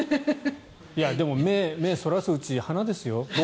でも、目をそらすうちが花ですよ。